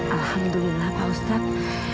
alhamdulillah pak ustadz